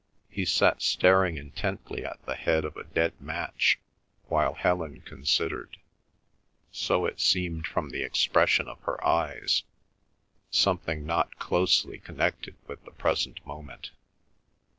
He sat staring intently at the head of a dead match, while Helen considered—so it seemed from the expression of her eyes—something not closely connected with the present moment.